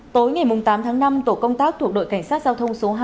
tối ngày tám tháng năm tổ công tác thuộc đội cảnh sát giao thông số hai